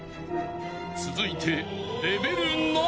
［続いて］